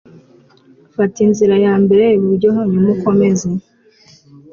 fata inzira yambere iburyo hanyuma ukomeze